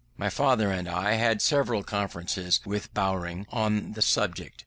My father and I had several conferences with Bowring on the subject.